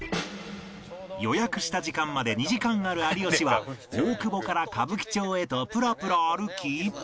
予約した時間まで２時間ある有吉は大久保から歌舞伎町へとぷらぷら歩き